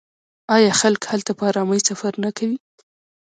آیا خلک هلته په ارامۍ سفر نه کوي؟